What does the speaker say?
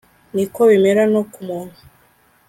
Ni ko bimera no ku muntu